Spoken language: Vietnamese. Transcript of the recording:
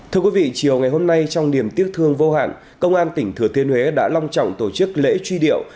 thưa quý vị chiều ngày hôm nay trong điểm tiếc thương vô hạn công an tỉnh thừa thiên huế đã long trọng tổ chức lễ truy điệu